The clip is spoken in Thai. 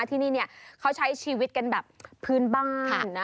ที่นี่เขาใช้ชีวิตกันแบบพื้นบ้านนะ